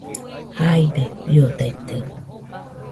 Jaibe fiodaite